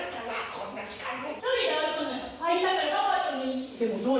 こんな時間に」